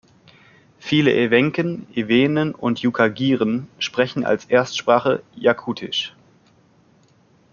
Viele Ewenken, Ewenen und Jukagiren sprechen als Erstsprache Jakutisch.